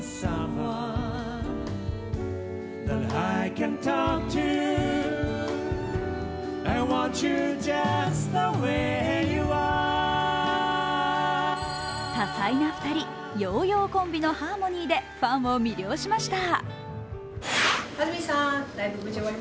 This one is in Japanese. ようようコンビのハーモニーでファンを魅了しました。